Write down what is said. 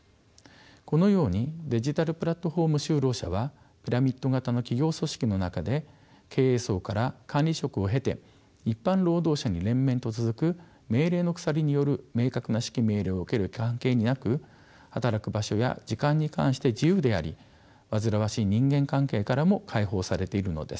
このようにデジタルプラットフォーム就労者はピラミッド型の企業組織の中で経営層から管理職を経て一般労働者に連綿と続く命令の鎖による明確な指揮命令を受ける関係になく働く場所や時間に関して自由であり煩わしい人間関係からも解放されているのです。